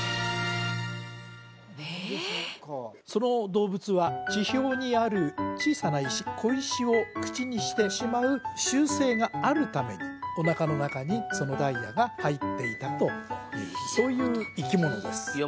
その動物は地表にある小さな石小石を口にしてしまう習性があるためにおなかの中にそのダイヤが入っていたというそういう生き物ですいや